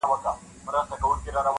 • مرګ مشر او کشر ته نه ګوري -